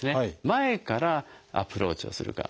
前からアプローチをするか。